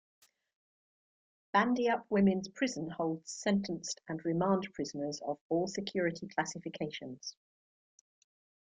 Bandyup Women's Prison holds sentenced and remand prisoners of all security classifications.